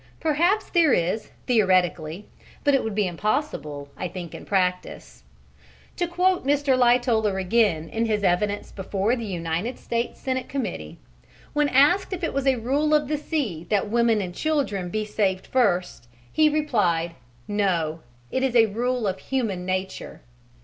Perhaps there is, theoretically, but it would be impossible, I think, in practice. To quote Mr. Lightoller again in his evidence before the United States Senate Committee, when asked if it was a rule of the sea that women and children be saved first, he replied, "No, it is a rule of human nature."